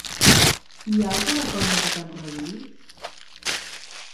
Hi ha alguna cosa que t'enrabii?